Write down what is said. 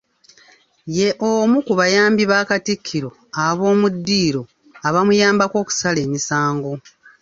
Ye omu ku bayambi ba Katikkiro ab'omu ddiiro abamuyambako okusala emisango.